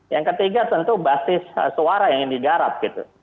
yang ketiga tentu basis suara yang digarap gitu